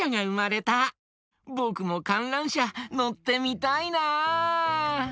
ぼくもかんらんしゃのってみたいな。